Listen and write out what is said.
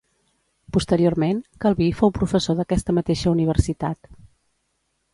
Posteriorment, Calví fou professor d'aquesta mateixa universitat.